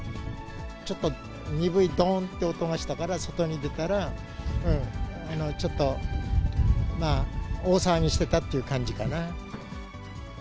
ちょっと鈍いどーんという音がしたから、外に出たら、ちょっと、まあ、大騒ぎしてたって感じかな。